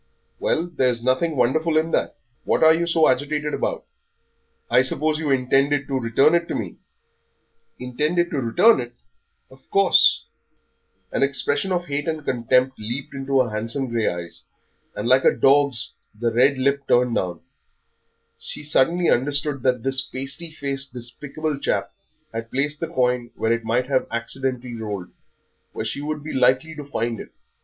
"Well, there's nothing wonderful in that. What are you so agitated about? I suppose you intended to return it to me?" "Intended to return it! Of course." An expression of hate and contempt leaped into her handsome grey eyes, and, like a dog's, the red lip turned down. She suddenly understood that this pasty faced, despicable chap had placed the coin where it might have accidentally rolled, where she would be likely to find it.